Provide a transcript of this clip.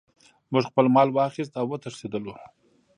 موږ خپل مال واخیست او وتښتیدو.